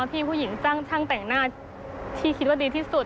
พี่ผู้หญิงจ้างช่างแต่งหน้าที่คิดว่าดีที่สุด